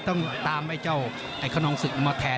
ต้องตามไอ้เจ้าไอ้คนนองศึกมาแทน